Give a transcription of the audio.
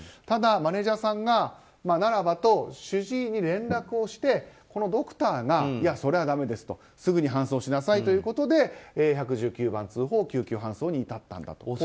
ただ、マネジャーさんがならばと主治医に連絡をしてドクターが、それはだめですとすぐに搬送しなさいということで１１９番通報救急搬送に至ったんだと。